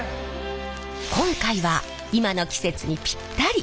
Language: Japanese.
今回は今の季節にぴったり！